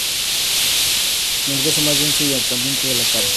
Es el hueso más denso y prominente de la cara.